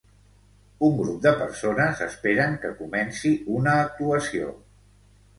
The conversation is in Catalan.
Un grup de persones esperen que comenci una actuació.